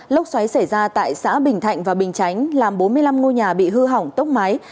lốc xoáy xảy ra tại xã bình thạnh và bình chánh làm bốn mươi năm ngôi nhà bị hư hỏng tốc mái